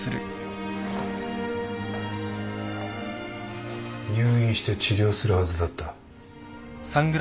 入院して治療するはずだった。